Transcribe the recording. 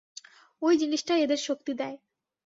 ঐ জিনিসটাই এদের শক্তি দেয়।